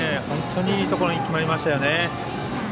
本当にいいところに決まりましたね。